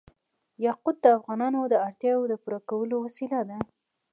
یاقوت د افغانانو د اړتیاوو د پوره کولو وسیله ده.